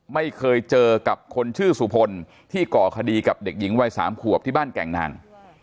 ไม่เคยเจอกับคนชื่อสุพลที่ก่อคดีกับเด็กหญิงวัย๓ขวบที่บ้านแก่งนาง